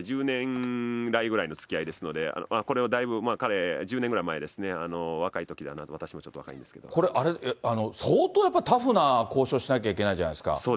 １０年来ぐらいのつきあいですので、これもだいぶ、彼、１０年ぐらい前ですね、若いときで、私もちょっと若いんですこれ、相当やっぱりタフな交渉しなきゃいけないじゃないですか。